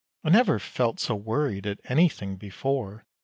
I never felt so worried at anything before!